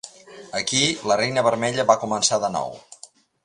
Aquí, la reina vermella va començar de nou.